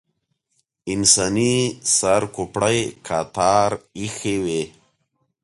انساني سر کوپړۍ کتار ایښې وې.